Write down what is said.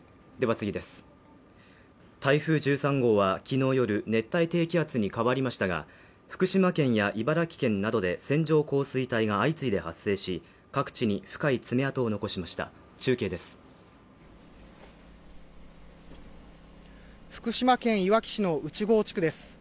台風１３号はきのう夜熱帯低気圧に変わりましたが福島県や茨城県などで線状降水帯が相次いで発生し各地に深い爪痕を残しました中継です福島県いわき市の内郷地区です